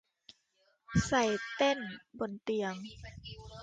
ใส่เต้นบนเตียง